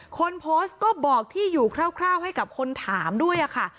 คนโพสต์ก็บอกที่อยู่คร่าวให้กับคนถามด้วยค่ะ